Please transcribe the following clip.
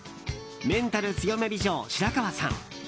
「メンタル強め美女白川さん」。